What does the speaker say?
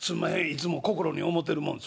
いつも心に思ってるもん」。